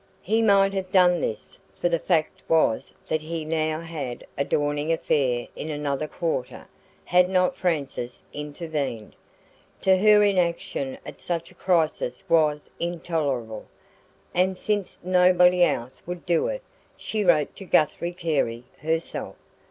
He might have done this for the fact was that he now had a dawning "affair" in another quarter had not Frances intervened. To her, inaction at such a crisis was intolerable, and since nobody else would do it, she wrote to Guthrie Carey herself.